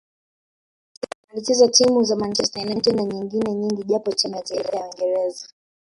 Alicheza timu za Manchester United na nyengine nyingi japo timu ya taifa ya Uingereza